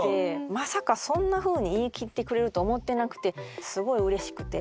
まさかそんなふうに言い切ってくれると思ってなくてすごいうれしくて。